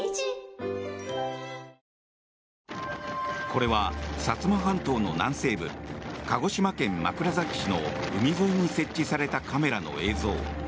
これは薩摩半島の南西部鹿児島県枕崎市の海沿いに設置されたカメラの映像。